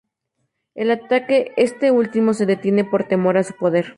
El ataque, este último se detiene por temor a su poder.